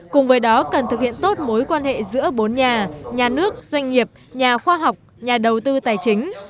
cùng với đó cần thực hiện tốt mối quan hệ giữa bốn nhà nhà nước doanh nghiệp nhà khoa học nhà đầu tư tài chính